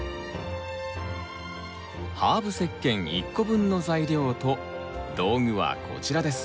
ハーブ石けん１個分の材料と道具はこちらです。